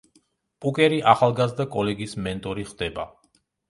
ჰუკერი ახალგაზრდა კოლეგის მენტორი ხდება.